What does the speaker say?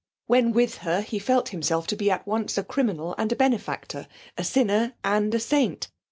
When with her he felt himself to be at once a criminal and a benefactor, a sinner and a saint.